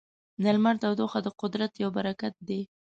د لمر تودوخه د قدرت یو برکت دی.